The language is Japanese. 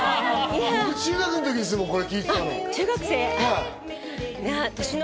中学の時ですもん、これ、聴いてたの。